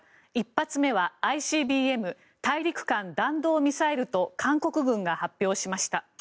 １発目はＩＣＢＭ・大陸間弾道ミサイルと韓国軍が発表しました。